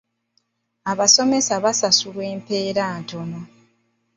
Abasomesa basasulwa empeera ntono.